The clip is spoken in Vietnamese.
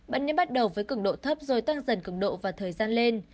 bạn nên bắt đầu với cứng độ thấp rồi tăng dần cứng độ và thời gian lên